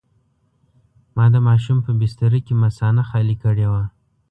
ما د ماشوم په بستره کې مثانه خالي کړې وه.